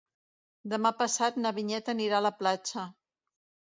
Demà passat na Vinyet anirà a la platja.